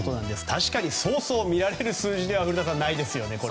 確かにそうそう見られる数字ではないですよね。